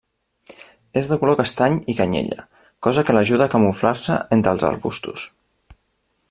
És de color castany i canyella, cosa que l'ajuda a camuflar-se entre els arbustos.